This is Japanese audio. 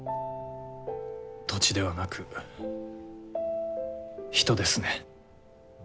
土地ではなく人ですね。